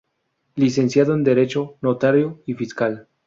Licenciado en Derecho; notario y fiscal.